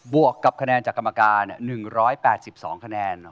วกกับคะแนนจากกรรมการ๑๘๒คะแนน